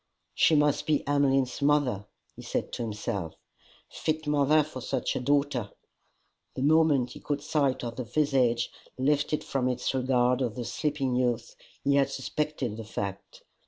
"She must be Emmeline's mother," he said to himself, " fit mother for such a daughter." The moment he caught sight of the visage lifted from its regard of the sleeping youth, he had suspected the fact.